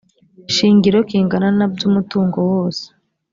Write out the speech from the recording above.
shingiro kingana na by umutungo wose